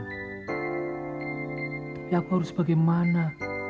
tapi aku harus bagaimana